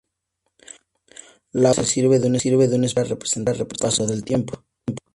La autora se sirve de un espejo para representar el paso del tiempo.